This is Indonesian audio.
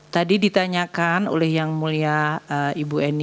tadi ditanyakan oleh yang mulia ibu eni mengenai kenapa pada awal tahun ini